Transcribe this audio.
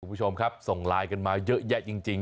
คุณผู้ชมครับส่งไลน์กันมาเยอะแยะจริง